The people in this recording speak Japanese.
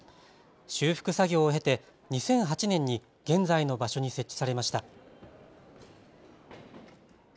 修復作業を経て２００８年に現在の場所に設置されました。